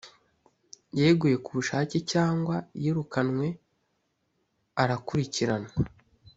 yeguye ku bushake cyangwa yirukanywe arakurikinwa